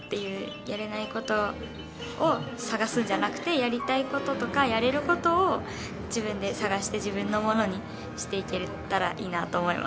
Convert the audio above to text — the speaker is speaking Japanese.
やれないことを探すんじゃなくてやりたいこととかやれることを自分で探して自分のものにしていけたらいいなと思います。